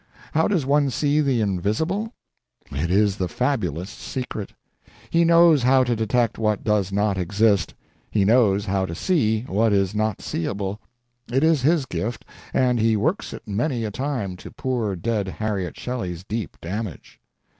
How does one see the invisible? It is the fabulist's secret; he knows how to detect what does not exist, he knows how to see what is not seeable; it is his gift, and he works it many a time to poor dead Harriet Shelley's deep damage.